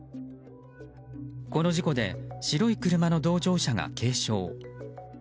この事故で白い車の同乗者が軽傷。